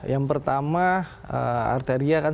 yang pertama arteria kan